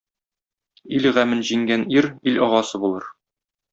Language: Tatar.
Ил гамен җиңгән ир ил агасы булыр